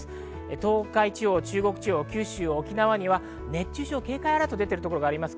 東海地方、中国地方、九州、沖縄には熱中症警戒アラートが出ています。